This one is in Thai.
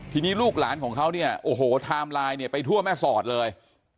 ทีนี้ลูกหลานของเขาเนี่ยโอ้โหไทม์ไลน์เนี่ยไปทั่วแม่สอดเลย